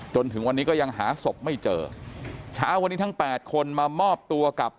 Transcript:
จนถึงวันนี้ก็ยังหาศพไม่เจอเช้าวันนี้ทั้งแปดคนมามอบตัวกับ